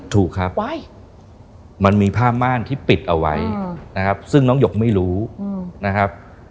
ถูกครับมันมีผ้าม่านที่ปิดเอาไว้นะครับซึ่งน้องหยกไม่รู้นะครับ